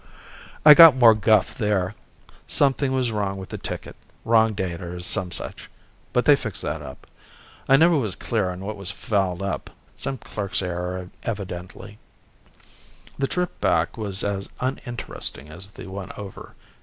I got more guff there. Something was wrong with the ticket, wrong date or some such. But they fixed that up. I never was clear on what was fouled up, some clerk's error, evidently. The trip back was as uninteresting as the one over.